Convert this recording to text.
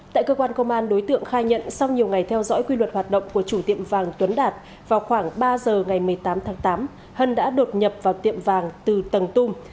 tại cơ quan công an đối tượng khai nhận sau nhiều ngày theo dõi quy luật hoạt động của chủ tiệm vàng tuấn đạt vào khoảng ba giờ ngày một mươi tám tháng tám hân đã đột nhập vào tiệm vàng từ tầng tung